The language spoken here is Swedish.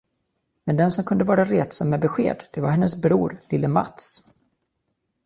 Men den, som kunde vara retsam med besked, det var hennes bror, lille Mats.